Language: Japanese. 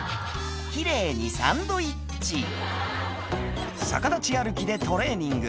奇麗にサンドイッチ逆立ち歩きでトレーニング